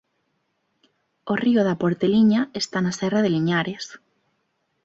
O río da Porteliña está na serra de Liñares.